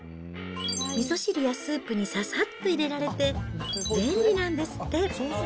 みそ汁やスープにささっと入れられて、便利なんですって。